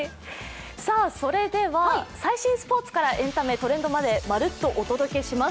それでは最新スポーツからエンタメまでまるットお届けします。